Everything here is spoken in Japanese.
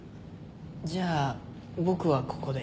じゃあ僕はここで。